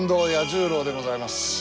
十郎でございます。